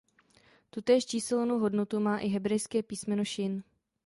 Tutéž číselnou hodnotu má i hebrejské písmeno šin.